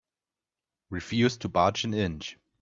Refuse to budge an inch